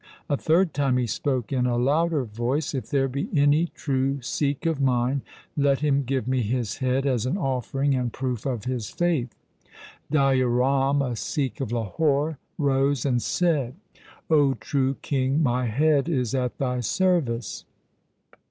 A third time he spoke in a louder voice, ' If there be any true Sikh of mine, let him give me his head as an offering and proof of his faith.' Daya Ram, a Sikh of Lahore, rose and said, ' O true king, my head is at thy service.'